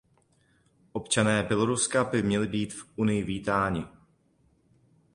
Občané Běloruska by měli být v Unii vítáni.